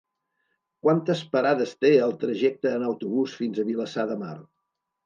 Quantes parades té el trajecte en autobús fins a Vilassar de Mar?